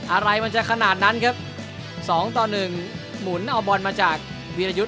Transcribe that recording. อะไรมันจะขนาดนั้นครับสองต่อหนึ่งหมุนเอาบอลมาจากวีรยุทธ์